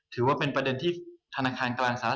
ถือว่าเป็นประเด็นที่ธนาคารกลางสหรัฐ